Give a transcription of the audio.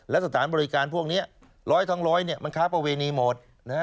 และสถานบริการพวกนี้๑๐๐ทั้งร้อยมันค้าประเวณีหมด